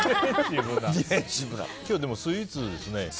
今日でもスイーツですね。